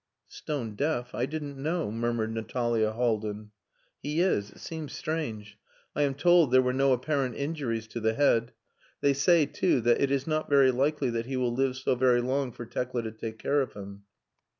"Stone deaf? I didn't know," murmured Natalia Haldin. "He is. It seems strange. I am told there were no apparent injuries to the head. They say, too, that it is not very likely that he will live so very long for Tekla to take care of him."